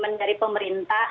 komitmen dari pemerintah